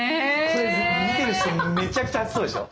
これ見てる人めちゃくちゃ暑そうでしょ。